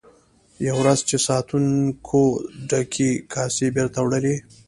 یوه ورځ چې ساتونکو ډکې کاسې بیرته وړلې.